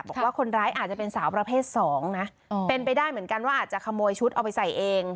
บอกว่าคนร้ายอาจจะเป็นสาวประเภทสองนะเป็นไปได้เหมือนกันว่าอาจจะขโมยชุดเอาไปใส่เอง